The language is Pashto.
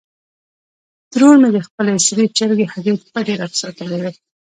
ترور مې د خپلې سرې چرګې هګۍ پټې راته ساتلې وې.